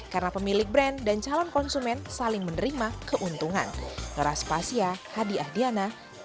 karena pemilik brand dan calon konsumen saling menerima keuntungan